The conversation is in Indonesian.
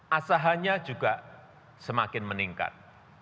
asahannya juga semakin meningkat